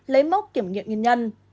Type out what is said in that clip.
lấy mốc kiểm nghiệm nhân nhân